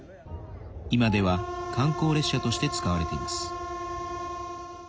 今では観光列車として使われています。